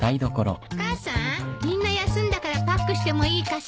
母さんみんな休んだからパックしてもいいかしら？